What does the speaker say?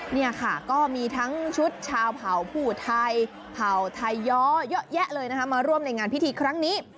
นี่ค่ะก็มีทั้งชุดชาวเผ่าผู้ไทยเผ่าไทยย้อเยอะแยะเลยนะคะมาร่วมในงานพิธีครั้งนี้